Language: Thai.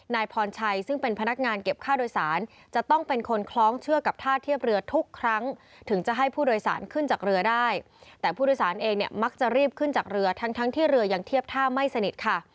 นายพรชัยซึ่งเป็นพนักงานเก็บค่าโดยสารจะต้องเป็นคนคล้องเชือกกับท่าเทียบเรือทุกครั้งถึงจะให้ผู้โดยสารขึ้นจากเรือได้แต่ผู้โดยสารเองเนี่ยมักจะรีบขึ้นจากเรือทั้งทั้งที่เรือยังเทียบท่าไม่สนิทค่ะ